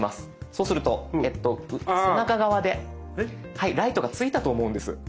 そうすると背中側でライトがついたと思うんです。